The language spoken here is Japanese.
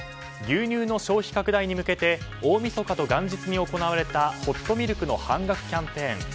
牛乳の消費拡大に向け大みそかと元日に行われたホットミルクの半額キャンペーン。